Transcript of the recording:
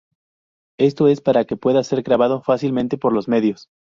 Esto es para que pueda ser grabado fácilmente por los medios.